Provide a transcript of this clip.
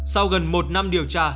sau gần một năm điều tra